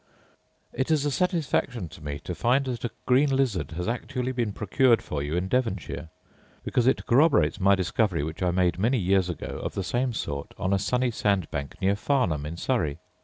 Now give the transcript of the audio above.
It is a satisfaction to me to find that a green lizard has actually been procured for you in Devonshire; because it corroborates my discovery, which I made many years ago, of the same sort, on a sunny sandbank near Farnham in Surrey.